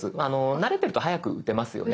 慣れてると速く打てますよね。